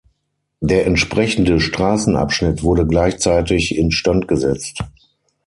Der entsprechende Straßenabschnitt wurde gleichzeitig instand gesetzt.